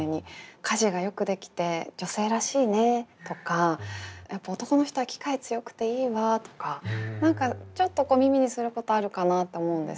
家事がよくできて女性らしいねとかやっぱ男の人は機械強くていいわとか何かちょっと耳にすることあるかなと思うんですけど。